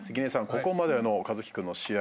ここまでの一輝君の試合